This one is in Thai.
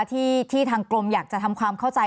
ที่ทางกรมอยากจะทำความเข้าใจ